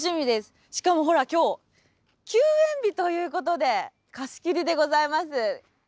しかもほら今日休園日ということで貸し切りでございます。